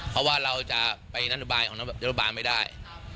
เพราะว่าเราจะไปนโยบายของรัฐบาลไม่ได้